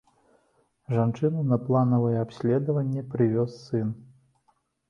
Жанчыну на планавае абследаванне прывёз сын.